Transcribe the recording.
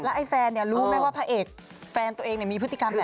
ไอ้แฟนรู้ไหมว่าพระเอกแฟนตัวเองมีพฤติกรรมอะไร